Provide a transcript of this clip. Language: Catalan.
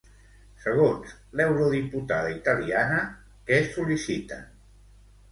Segons l'eurodiputada italiana, què sol·liciten?